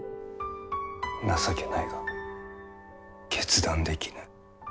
情けないが決断できぬ。